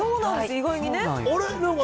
意外にね。